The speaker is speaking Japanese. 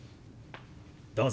どうぞ。